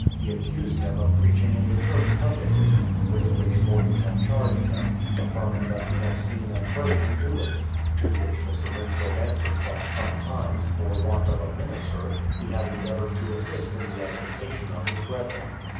He accused him of preaching in the church publicly, — with which Morton had charged him, affirm ing that he had seen and heard him do it ; to which Mr. Winslow answered that sometimes, for want of a minister, he had endeavoured to assist in the edification of his brethren.